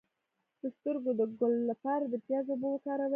د سترګو د ګل لپاره د پیاز اوبه وکاروئ